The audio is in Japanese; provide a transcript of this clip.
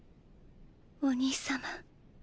お兄様。